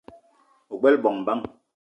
Ogbela bongo bang ?